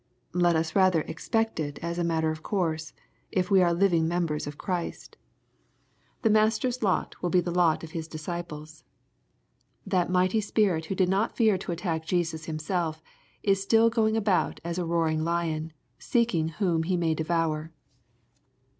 Let us rather expect it, as a matter of course, if we are tiving members of Christ. The Master's lot will be tho LUKiB, cfiAP. n. 109 k>t of His dificiples. That mighty spirit who did not fear to attack Jesns himself^ is still going about as a roaring lion, seeking whom he may devour.